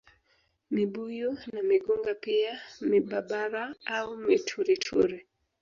Mibuyu na migunga pia mibabara au miturituri